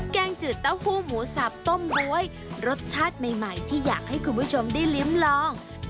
แกงจืดเต้าหู้หมูสับต้มบ๊วยรสชาติใหม่ที่อยากให้คุณผู้ชมได้ลิ้มลอง